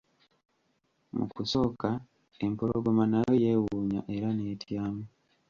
Mu kusooka, empologoma nayo yewuunya era n'etyamu.